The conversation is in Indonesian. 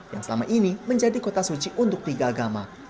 yang selama ini menjadi kota suci untuk tiga agama